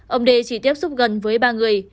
ông d chỉ tiếp xúc gần với ba người